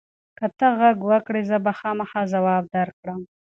که ته غږ وکړې، زه به خامخا ځواب درکړم.